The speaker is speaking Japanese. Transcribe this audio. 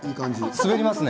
滑りますね。